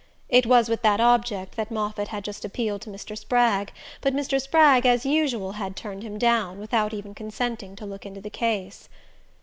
It was with that object that Moffatt had just appealed to Mr. Spragg, but Mr. Spragg, as usual, had "turned him down," without even consenting to look into the case.